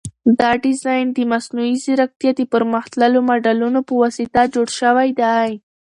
دا ډیزاین د مصنوعي ځیرکتیا د پرمختللو ماډلونو په واسطه جوړ شوی دی.